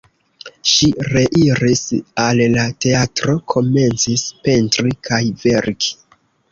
Ŝi reiris al la teatro, komencis pentri kaj verki.